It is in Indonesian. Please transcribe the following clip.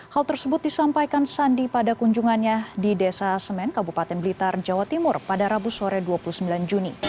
hal tersebut disampaikan sandi pada kunjungannya di desa semen kabupaten blitar jawa timur pada rabu sore dua puluh sembilan juni